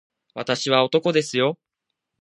私は男ですよ